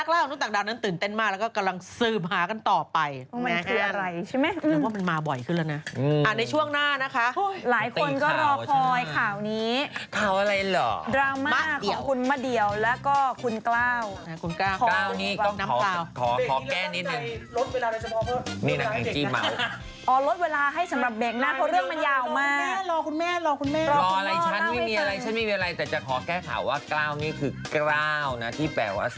แล้วก็ขัดจัดหรือบรรเทาความเจ็บปวดนี้ได้ภายในเวลา๒นาที